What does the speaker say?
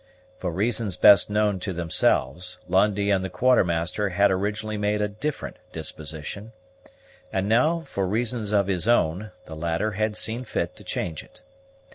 For reasons best known to themselves, Lundie and the Quartermaster had originally made a different disposition; and now, for reasons of his own, the latter had seen fit to change it.